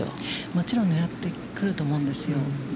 もちろん狙ってくると思うんですよ。